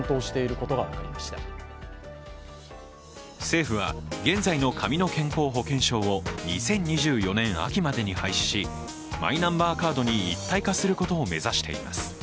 政府は現在の紙の健康保険証を２０２４年秋までに廃止しマイナンバーカードに一体化することを目指しています。